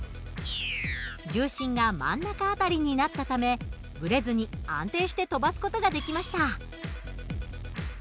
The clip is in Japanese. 重心が真ん中辺りになったためブレずに安定して飛ばす事ができました。